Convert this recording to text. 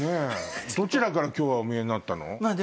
どちらから今日はおみえになったの？